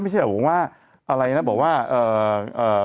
ไม่ใช่ผมว่าอะไรนะบอกว่าเอ่อเอ่อ